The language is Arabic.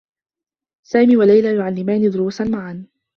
سامي و ليلى يعلّمان دروسا معا.